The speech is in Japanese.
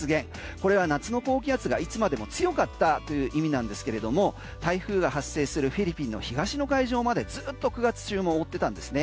これは夏の高気圧がいつまでも強かったという意味なんですけれども台風が発生するフィリピンの東の海上まで、ずっと９月中も覆ってたんです。